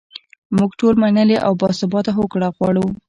موږ ټول منلې او باثباته هوکړه غواړو.